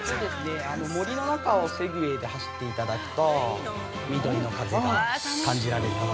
◆森の中をセグウェイで走っていただくと、緑の風を感じられると。